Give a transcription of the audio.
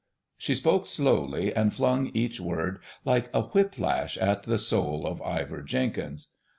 She spoke slowly, and flung each word like a whip lash at the soul of Ivor Jenkins.